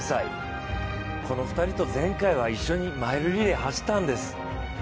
この２人と前回は一緒にマイルリレーを走ったんです。